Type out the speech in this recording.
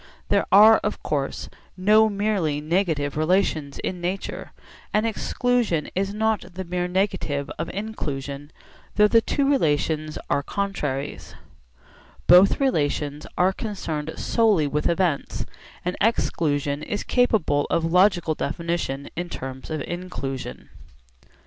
There are of course no merely negative relations in nature, and exclusion is not the mere negative of inclusion, though the two relations are contraries. Both relations are concerned solely with events, and exclusion is capable of logical definition in terms of inclusion. Cf. note on 'significance,' pp.